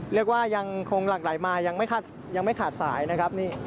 เรียกว่ายังคงหลั่งไหลมายังไม่ขาดสายนะครับ